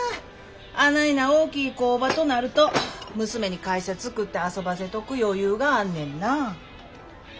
あないな大きい工場となると娘に会社作って遊ばせとく余裕があんねんな。